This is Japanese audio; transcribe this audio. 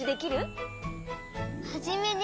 「はじめに」